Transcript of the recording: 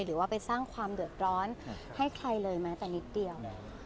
หรือว่าไปสร้างความเดือดร้อนให้ใครเลยแม้แต่นิดเดียว